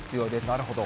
なるほど。